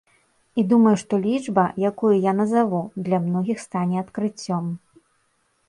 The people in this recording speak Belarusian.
І, думаю, што лічба, якую я назаву, для многіх стане адкрыццём.